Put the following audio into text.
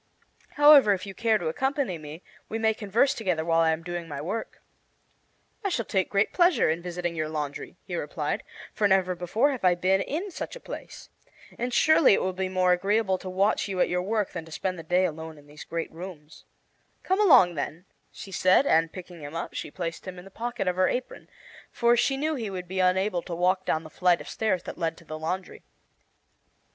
However, if you care to accompany me, we may converse together while I am doing my work." "I shall take great pleasure in visiting your laundry," he replied, "for never before have I been in such a place. And surely it will be more agreeable to watch you at your work than to spend the day alone in these great rooms." "Come along, then," she said, and picking him up she placed him in the pocket of her apron, for she knew he would be unable to walk down the flight of stairs that led to the laundry.